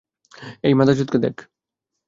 এই মাদারচোদকে দেখ!